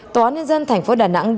tòa án nhân dân tp đà nẵng đã tuyệt vọng